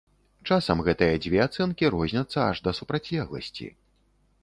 Часам гэтыя дзве ацэнкі розняцца аж да супрацьлегласці.